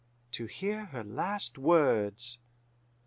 to hear her last words.